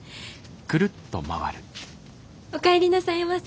おかえりなさいませ。